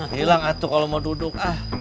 hilang atuh kalo mau duduk